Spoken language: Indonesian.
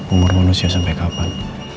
umur manusia sampai kapan